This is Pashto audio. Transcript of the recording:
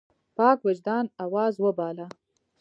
پاک وجدان آواز وباله.